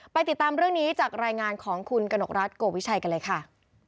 ติดตามเรื่องนี้จากรายงานของคุณกนกรัฐโกวิชัยกันเลยค่ะ